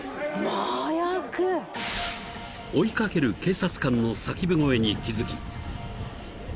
［追い掛ける警察官の叫び声に気付き］